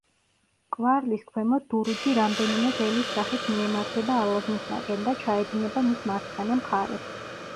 ყვარლის ქვემოთ დურუჯი რამდენიმე ღელის სახით მიემართება ალაზნისაკენ და ჩაედინება მის მარცხენა მხარეს.